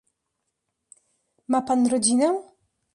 "Ma pan rodzinę?"